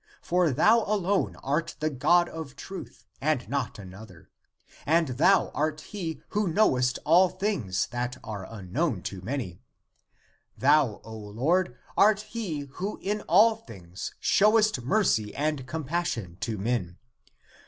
For thou alone art the God of truth and not another; and thou art he who knowest all things that are unknown to many ; thou, O Lord, art he who in all things showest mercy and compassion to men.